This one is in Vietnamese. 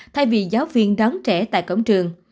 thay vì giáo viên đón trẻ tại cổng trường